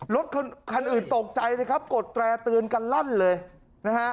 รถคันอื่นตกใจนะครับกดแตร่เตือนกันลั่นเลยนะฮะ